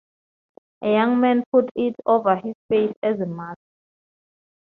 A young man put it over his face as a mask.